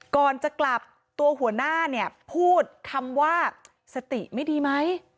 ก่อนจะกลับตัวหัวหน้าเนี่ยพูดคำว่าสติไม่ดีไหม